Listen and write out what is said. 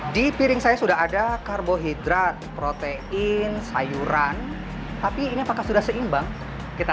di piring saya sudah ada karbohidrat protein sayuran tapi ini apakah sudah seimbang kita